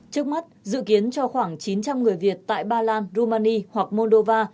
trước mắt dự kiến cho khoảng chín trăm linh người việt tại ba lan rumani hoặc moldova